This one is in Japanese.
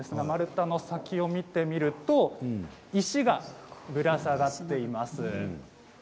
丸太の先を見てみると石がぶら下がっています。